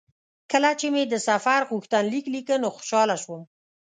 کله چې مې د سفر غوښتنلیک لیکه نو خوشاله شوم.